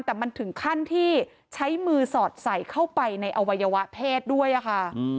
แต่มันถึงขั้นที่ใช้มือสอดใส่เข้าไปในอวัยวะเพศด้วยค่ะ